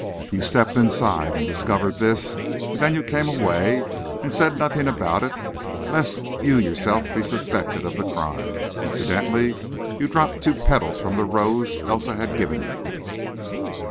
You stepped inside and discovered this, and then you came away, and said nothing about it, lest you yourself be suspected of the crime. Incidentally you dropped two petals from the rose Elsa had given you."